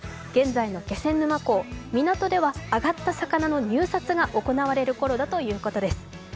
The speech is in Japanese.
現在の気仙沼港港では揚がった魚の入札が行われるころだということです。